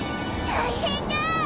大変だ！